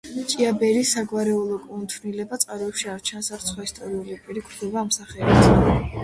ჭიაბერის საგვარეულო კუთვნილება წყაროებში არ ჩანს, არც სხვა ისტორიული პირი გვხვდება ამ სახელით.